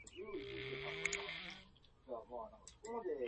セーシェルの首都はビクトリアである